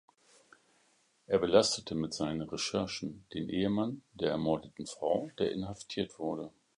Er belastete mit seinen Recherchen den Ehemann der ermordeten Frau, der inhaftiert wurde.